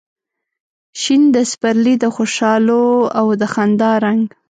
شین د سپرلي د خوشحالو او د خندا رنګ